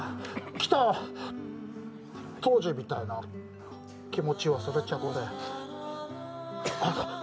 来た当時みたいな気持ちを忘れちゃうね。